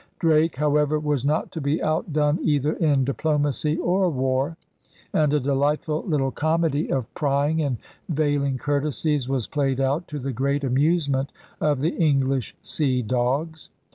Drake, however, was not to be outdone either in diplo macy or war; and a delightful little comedy of 108 ELIZABETHAN SEA DOGS prying and veiling courtesies was played out, to the great amusement of the English sea dogs.